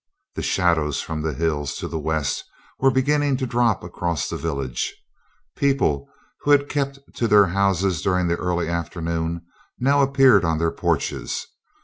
The shadows from the hills to the west were beginning to drop across the village; people who had kept to their houses during the early afternoon now appeared on their porches.